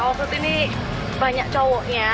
kayaknya dunia off road ini banyak cowoknya